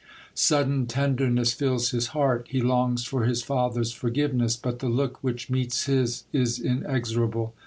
Sudden tenderness fills his heart. He longs for his father's forgiveness, but the look which meets his is inexorable.